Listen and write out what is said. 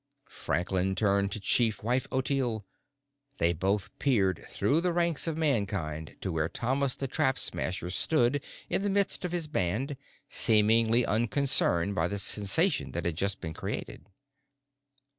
Franklin turned to Chief Wife Ottilie. They both peered through the ranks of Mankind to where Thomas the Trap Smasher stood in the midst of his band, seemingly unconcerned by the sensation that had just been created.